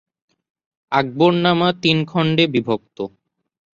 আকবরনামা তিন খন্ডে বিভক্ত।